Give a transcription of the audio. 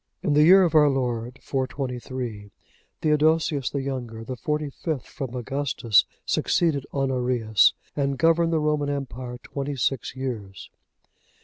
[446 A.D.] In the year of our Lord 423, Theodosius, the younger, the forty fifth from Augustus, succeeded Honorius and governed the Roman empire twenty six years.